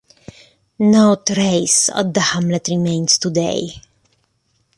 No trace of the hamlet remains today.